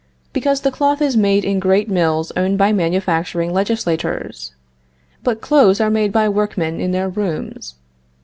Because the cloth is made in great mills owned by manufacturing legislators. But clothes are made by workmen in their rooms.